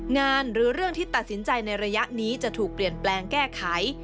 หรือเรื่องที่ตัดสินใจในระยะนี้จะถูกเปลี่ยนแปลงแก้ไข